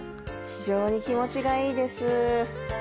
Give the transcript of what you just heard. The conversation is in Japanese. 非常に気持ちがいいです。